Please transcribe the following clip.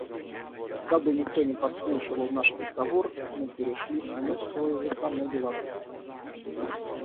Дабы никто не подслушивал наш разговор, мы перешли с немецкого языка на белорусский.